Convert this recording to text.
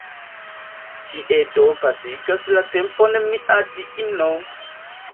Tie do pasigas la tempon mia diino!